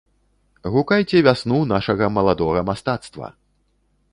Гукайце вясну нашага маладога мастацтва!